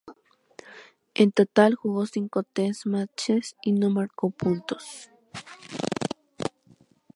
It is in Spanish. En total jugó cinco test matches y no marcó puntos.